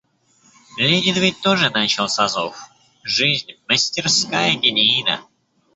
Ленин ведь тоже начал с азов, — жизнь — мастерская геньина.